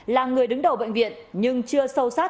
là người đứng đầu bệnh viện nhưng chưa sâu sát